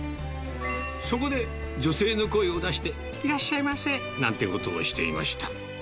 そこで、女性の声を出して、いらっしゃいませ、なんてことをしていました。